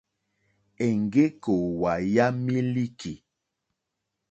Èŋɡé kòòwà yà mílíkì.